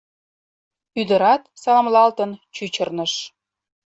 Ӱдырат, саламлалтын, чӱчырныш.